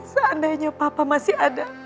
seandainya papa masih ada